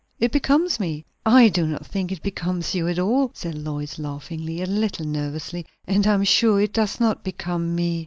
It becomes me." "I do not think it becomes you at all," said Lois, laughing a little nervously, "and I am sure it does not become me."